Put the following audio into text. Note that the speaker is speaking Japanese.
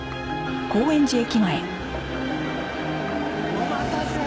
お待たせ。